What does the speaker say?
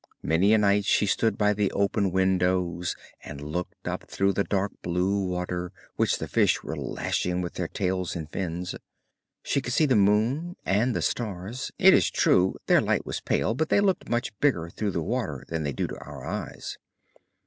Many a night she stood by the open windows and looked up through the dark blue water which the fish were lashing with their tails and fins. She could see the moon and the stars, it is true; their light was pale, but they looked much bigger through the water than they do to our eyes.